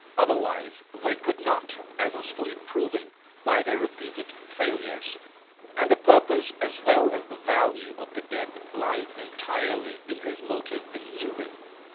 Otherwise they could not, as is fully proven by their repeated failures. And the purpose as well as the value of the death lies entirely in His motive in yielding.